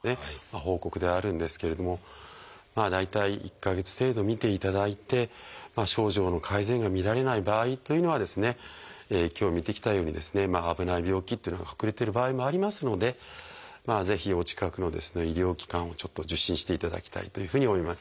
報告ではあるんですけれども大体１か月程度見ていただいて症状の改善が見られない場合というのは今日見てきたようにですね危ない病気というのが隠れてる場合もありますのでぜひお近くの医療機関をちょっと受診していただきたいというふうに思います。